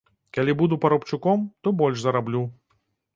Калі буду парабчуком, то больш зараблю.